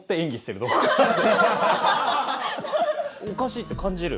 おかしいって感じる？